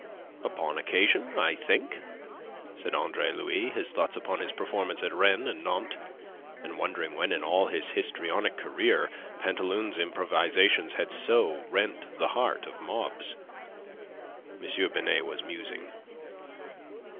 "Upon occasion, I think," said Andre Louis, his thoughts upon his performance at Rennes and Nantes, and wondering when in all his histrionic career Pantaloon's improvisations had so rent the heart of mobs. M. Binet was musing.